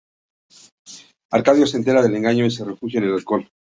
Arcadio se entera del engaño y se refugia en el alcohol.